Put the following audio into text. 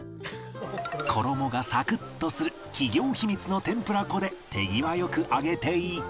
衣がサクッとする企業秘密の天ぷら粉で手際良く揚げていき